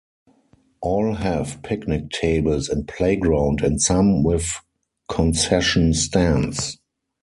All have picnic tables and playground and some, with concession stands.